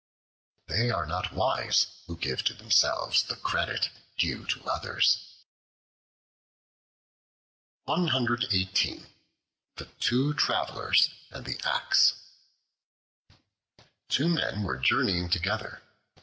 They are not wise who give to themselves the credit due to others. The Two Travelers and the Axe TWO MEN were journeying together.